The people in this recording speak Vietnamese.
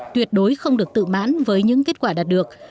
tuyệt đối không được tự mãn với những kết quả đạt được